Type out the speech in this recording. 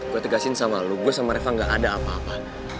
gue tegasin sama lo gue sama reva gak ada apa apa